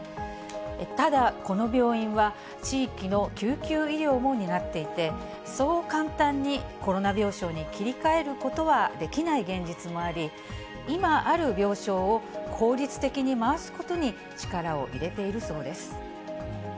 ただ、この病院は地域の救急医療も担っていて、そう簡単にコロナ病床に切り替えることはできない現実もあり、今ある病床を効率的に回すことに力を入れているそうです。